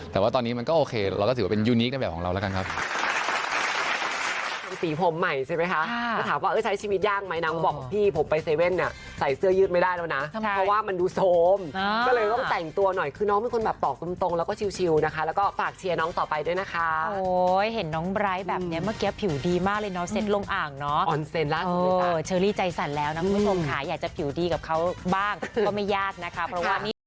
แต่ว่าตอนนี้มันก็โอเคเราก็ถือว่าเป็นยูนิคกันแบบของเราแล้วกันครับ